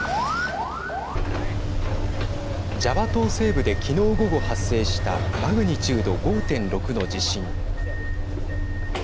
ジャワ島西部で昨日午後、発生したマグニチュード５．６の地震。